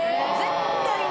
絶対に。